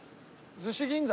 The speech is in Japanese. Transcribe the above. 逗子銀座？